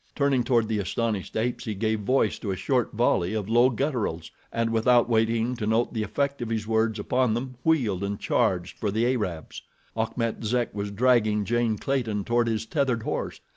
Turning toward the astonished apes he gave voice to a short volley of low gutturals, and without waiting to note the effect of his words upon them, wheeled and charged for the Arabs. Achmet Zek was dragging Jane Clayton toward his tethered horse.